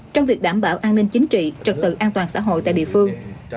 trong việc đảm bảo an ninh chính trị trật tự an toàn xã hội tại địa phương